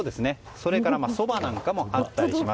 それからそばなんかもあったりします。